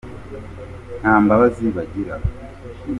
ntambabazi bagira.